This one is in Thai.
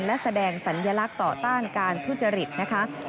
และแสดงสัญลักษณ์ต่อต้านการทุจริตนะคะ